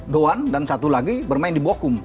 doan dan satu lagi bermain di bokum